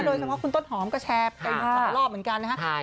เพราะว่าคุณต้นหอมก็แชร์ไปอยู่ต่อรอบเหมือนกันนะครับ